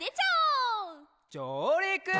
じょうりく！